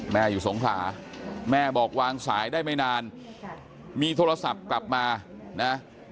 แม่อยู่สงขลาแม่บอกวางสายได้ไม่นานมีโทรศัพท์กลับมานะ